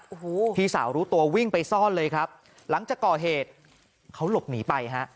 โอ้โหพี่สาวรู้ตัววิ่งไปซ่อนเลยครับหลังจากก่อเหตุเขาหลบหนีไปฮะ